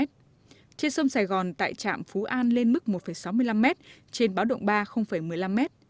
trên sông sài gòn tại trạm phú an lên mức một sáu mươi năm m trên báo động ba một mươi năm m